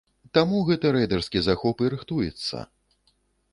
Таму гэты рэйдарскі захоп і рыхтуецца!